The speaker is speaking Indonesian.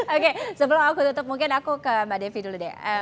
oke sebelum aku tutup mungkin aku ke mbak devi dulu deh